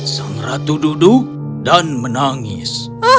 sang ratu duduk dan menangis